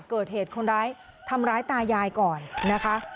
เกิดเหตุคนร้ายทำร้ายตายายก่อนนะคะ